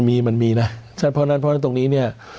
มันมีนะฉันเพราะฉะนั้นตรงนี้เนี่ย